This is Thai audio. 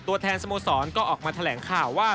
ตัวแทนสโมสรก็ออกมาแถลงข่าวว่า